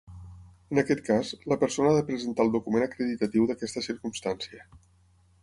En aquest cas, la persona ha de presentar el document acreditatiu d'aquesta circumstància.